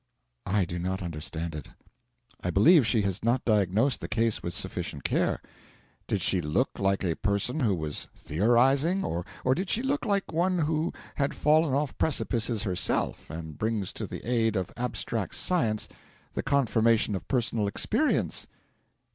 'I do not understand it. I believe she has not diagnosed the case with sufficient care. Did she look like a person who was theorising, or did she look like one who has fallen off precipices herself and brings to the aid of abstract science the confirmation of personal experience?'